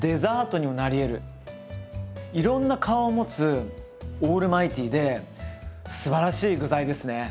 いろんな顔を持つオールマイティーですばらしい具材ですね。